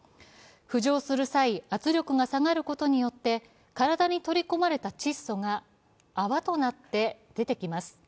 浮上する際、圧力が下がることによって体に取り込まれた窒素が泡となって出てきます。